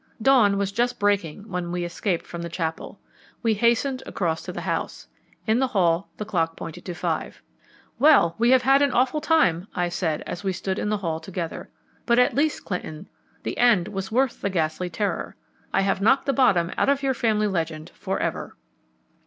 Dawn was just breaking when we escaped from the chapel. We hastened across to the house. In the hall the clock pointed to five. "Well, we have had an awful time," I said, as we stood in the hall together; "but at least, Clinton, the end was worth the ghastly terror. I have knocked the bottom out of your family legend for ever."